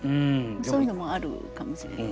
そういうのもあるかもしれませんね。